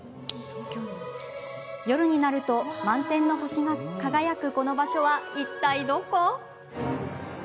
夜になると満天の星が輝くこの場所は、いったいどこ？